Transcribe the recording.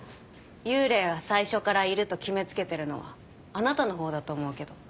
幽霊は最初からいると決め付けてるのはあなたのほうだと思うけど。